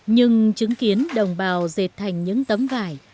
nhưng chứng kiến đồng bào dệt thành những tấm vải